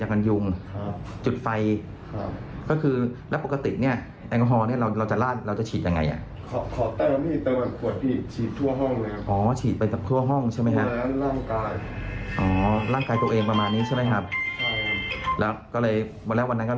วันแรกวันนั้นก็เลยจุดอย่างกันยุ่งไล่ยุ่งอะไรอย่างนี้ครับ